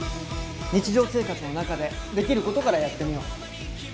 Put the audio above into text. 日常生活の中でできることからやってみよう。